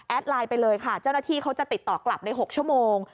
ไลน์ไปเลยค่ะเจ้าหน้าที่เขาจะติดต่อกลับใน๖ชั่วโมง